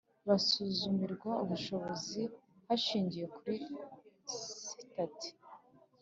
Basuzumirwa ubushobozi hashingiwe kuri sitati